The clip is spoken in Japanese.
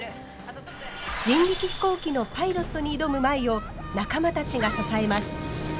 人力飛行機のパイロットに挑む舞を仲間たちが支えます。